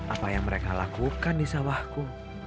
apa yang mereka lakukan di sawahku